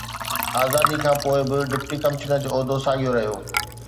آزاديءَ کان پوءِ به ڊپٽي ڪمشنر جو عهدو ساڳيو رهيو